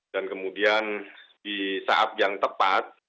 dan kemudian di saat yang tepat